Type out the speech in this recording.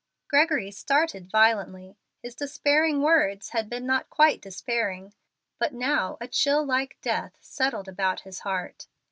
Gregory started violently. His despairing words had been not quite despairing. But now a chill like death settled about his heart.